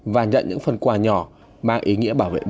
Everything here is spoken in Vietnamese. và nhận những phần quà nhỏ mang ý nghĩa bảo vệ